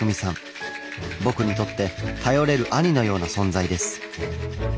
僕にとって頼れる兄のような存在です。